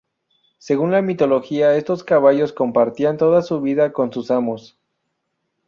Según la mitología estos caballos compartían toda su vida con sus amos.